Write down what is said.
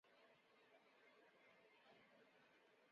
婺源凤仙花为凤仙花科凤仙花属下的一个种。